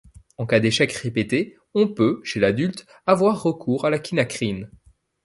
En cas d'échecs répétés, on peut, chez l'adulte, avoir recours à la quinacrine.